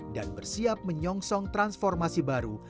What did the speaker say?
dan bersiap menyongsong transformasi baru